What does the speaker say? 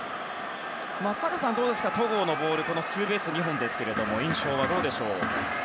松坂さん、どうですか戸郷のボールツーベース２本ですが印象はどうでしょう。